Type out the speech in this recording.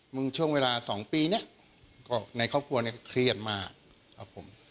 ช่วงเวลา๒ปีเนี่ยก็ในครอบครัวเนี่ยเครียดมากครับผม